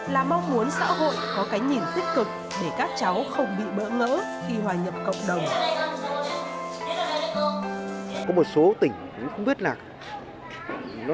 là mong muốn xã hội có cái nhìn tích cực để các cháu không bị bỡ ngỡ khi hòa nhập cộng đồng